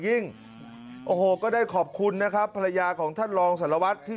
โอ้โหก็ได้ขอบคุณนะครับภรรยาของท่านรองสารวัตรที่